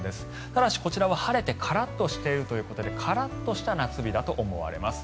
ただしこちらは晴れてカラッとしているということでカラッとした夏日だと思われます。